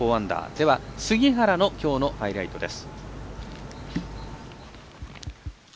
杉原のきょうのハイライトです。